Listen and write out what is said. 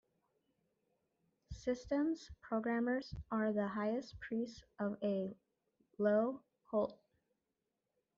Systems programmers are the high priests of a low cult.